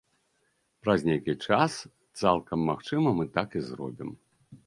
Праз нейкі час, цалкам магчыма, мы так і зробім.